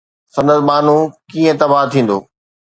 سندس ٻانهو ڪيئن تباهه ٿيندو؟